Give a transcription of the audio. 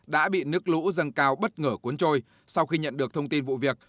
đã bị nước lũ dâng cao bất ngờ cuốn trôi sau khi nhận được thông tin vụ việc